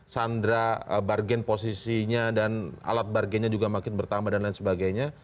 sandra bargain posisinya dan alat bargainnya juga makin bertambah dan lain sebagainya